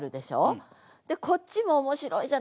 でこっちも面白いじゃないですか。